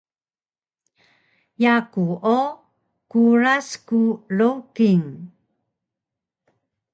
Yaku o Kuras ku Lowking